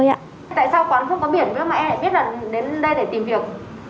tại sao quán không có biển với mà em lại biết là đến đây để tìm việc